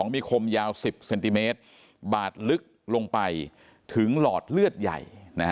มีคมยาว๑๐เซนติเมตรบาดลึกลงไปถึงหลอดเลือดใหญ่